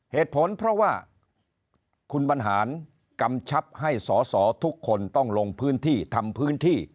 เหตุผลเพราะว่าคุณบรรหารกำชับให้สอสอทุกคนต้องลงพื้นที่ทำพื้นที่